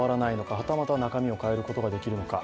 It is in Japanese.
はたまた中身を変えることができるのか。